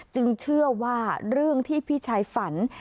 เชื่อว่าเรื่องที่พี่ชายฝัน